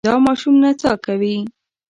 دا ماشوم نڅا کوي.